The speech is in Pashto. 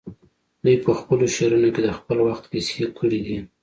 دوی په خپلو شعرونو کې د خپل وخت کیسې کړي دي